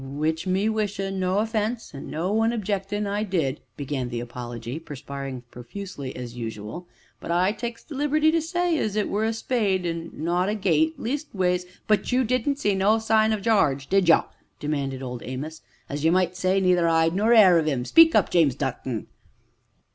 "W'ich, me wishin' no offense, an' no one objectin' I did," began the Apology, perspiring profusely as usual, "but I takes the liberty to say as it were a spade, an' not a gate leastways " "But you didn't see no signs o' Jarge, did ye?" demanded Old Amos, "as ye might say, neither 'ide nor 'air of 'im speak up, James Dutton."